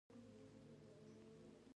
د مچۍ د چیچلو لپاره باید څه شی وکاروم؟